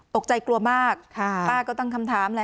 ตกใจกลัวตะก็ตั้งคำถาม